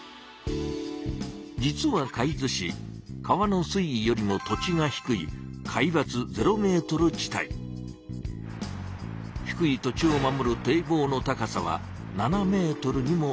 実は海津市川の水位よりも土地が低い低い土地を守る堤防の高さは７ｍにもおよびます。